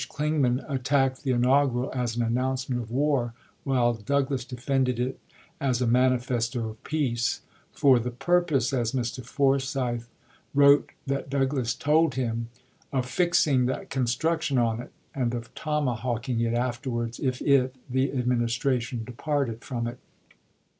Clingman attacked the inaugural as an announce ment of war, while Douglas defended it as a mani festo of peace, " for the purpose," as Mr. Forsyth wrote that Douglas told him, " of fixing that con struction on it and of tomahawking it afterwards Toombs,0 if it [the Administration] departed from it."